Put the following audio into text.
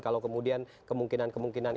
kalau kemudian kemungkinan kemungkinan